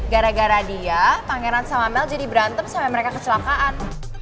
gara gara dia pangeran sama mel jadi berantem sampe mereka kecelakaan